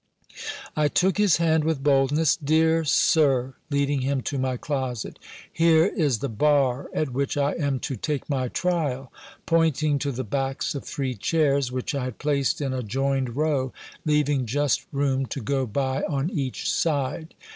I took his hand with boldness: "Dear Sir," leading him to my closet, "here is the bar at which I am to take my trial," pointing to the backs of three chairs, which I had placed in a joined row, leaving just room to go by on each side.